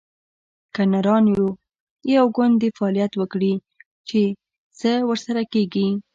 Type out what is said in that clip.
که نران یو، یو ګوند دې فعالیت وکړي؟ چې څه ورسره کیږي